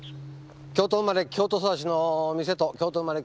京都生まれ京都育ちの店と京都生まれ